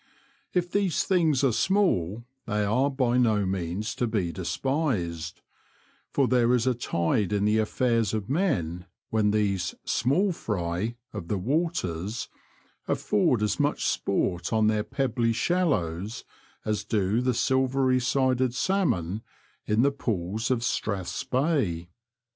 If these things are small, they are by no means to be despised, for there is a tide in the affairs of men when these '^ small fry " of the waters afford as much sport on their pebbly shallows as do the silvery sided salmon in the pools of Strathspay.